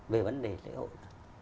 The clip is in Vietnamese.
về vấn đề lễ hội